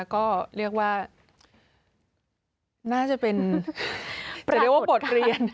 ก็เรียกว่าน่าจะเป็นเรียกว่าบทเรียน